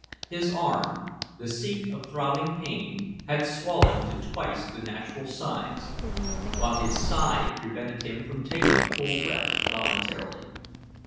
His arm, the seat of throbbing pain, had swollen to twice the natural size, while his side prevented him taking a full breath, voluntarily.